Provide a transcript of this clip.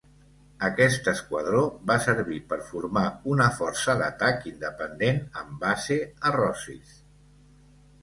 Aquest esquadró va servir per formar una força d'atac independent amb base a Rosyth.